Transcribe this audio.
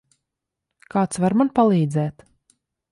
Kāds var man palīdzēt?